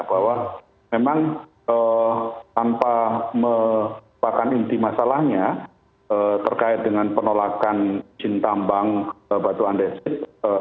bahwa memang tanpa melakukan inti masalahnya terkait dengan penolakan cinta ambang batu andesit